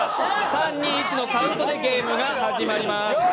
３、２、１のカウントでゲームが始まります。